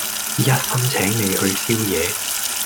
一心請你去宵夜